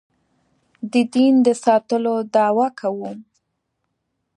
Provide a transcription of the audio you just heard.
د دین د ساتلو دعوه کوو.